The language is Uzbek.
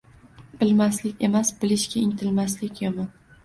Bilmaslik emas, bilishga intilmaslik yomon.